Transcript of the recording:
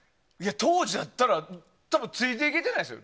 当時だったら、多分ついていけてないですよ。